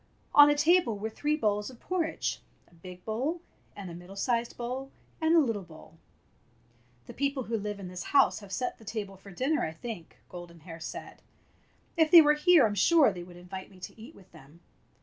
On a table were three bowls of porridge — a big bowl, and a middle sized bowl, and a little bowl. "The people who live in this house have set the table for dinner, I think," Golden Hair said. "If they were here I'm sure they would invite me to eat with them.